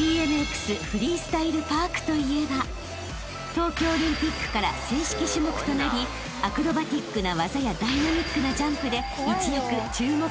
［東京オリンピックから正式種目となりアクロバティックな技やダイナミックなジャンプで一躍注目の的に］